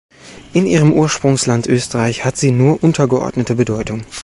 In ihrem Ursprungsland Österreich hat sie nur untergeordnete Bedeutung.